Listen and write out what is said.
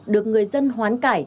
được người dân hoán cải